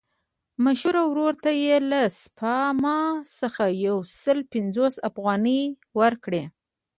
مشر ورور ته یې له سپما څخه یو سل پنځوس افغانۍ ورکړې.